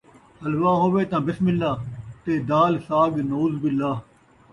حلوہ ہووے تاں بسم اللہ ، تے دال ساڳ نعوذ باللہ